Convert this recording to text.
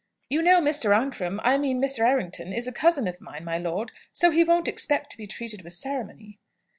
"You know, Mr. Ancram I mean Mr. Errington is a cousin of mine, my lord; so he won't expect to be treated with ceremony."